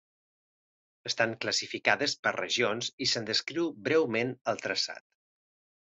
Estan classificades per regions i se'n descriu breument el traçat.